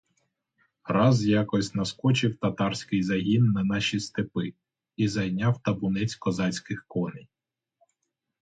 Раз якось наскочив татарський загін на наші степи і зайняв табунець козацьких коней.